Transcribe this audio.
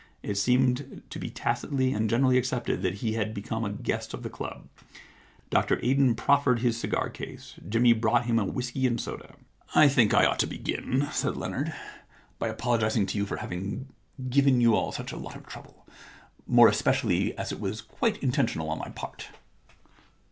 It seemed to be tacitly and generally accepted that he had become a guest of the club. Dr Alden proffered his cigar case ; Jimmy brought him a whisky and soda. * I think I ought to begin,' said Leonard, * by apologising to you for having given you all such a lot of trouble — more especially as it was quite intentional on my part.